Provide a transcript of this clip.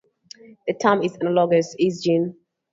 The term is analogous to gene pool.